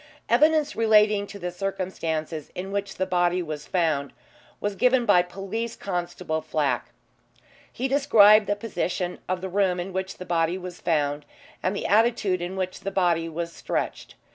Evidence relating to the circumstances in which the body was found was given by Police Constable Flack. He described the position of the room in which the body was found, and the attitude in which the body was stretched.